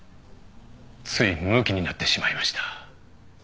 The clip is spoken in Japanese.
ついむきになってしまいました。